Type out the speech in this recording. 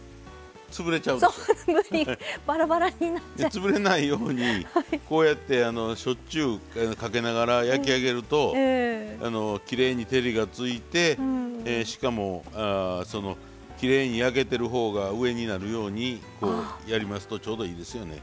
つぶれないようにこうやってしょっちゅうかけながら焼き上げるときれいに照りがついてしかもきれいに焼けてる方が上になるようにやりますとちょうどいいですよね。